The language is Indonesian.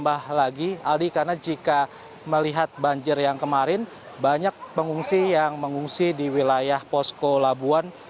tambah lagi aldi karena jika melihat banjir yang kemarin banyak pengungsi yang mengungsi di wilayah posko labuan